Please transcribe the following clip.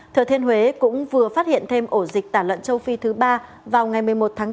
thừa thiên huế cũng vừa phát hiện thêm ổ dịch tả lợn châu phi thứ ba vào ngày một mươi một tháng bốn